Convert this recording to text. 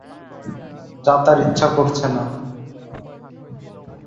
যা তাঁর ইচ্ছা করছে না।